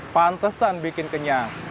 pantesan bikin kenyang